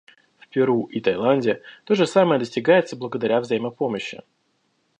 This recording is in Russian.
В Перу и Таиланде то же самое достигается благодаря взаимопомощи.